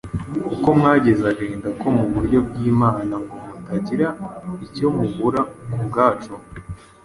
kuko mwagize agahinda ko mu buryo bw’Imana ngo mutagira icyo mubura ku bwacu.